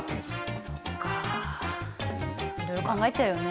そっかいろいろ考えちゃうよね。